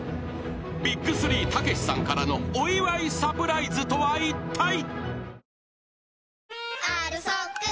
［ＢＩＧ３たけしさんからのお祝いサプライズとはいったい？］